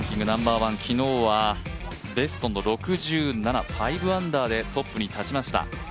ナンバーワン昨日はベストの６７５アンダーでトップに立ちました。